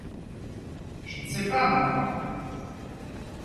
Je ne sais pas, moi.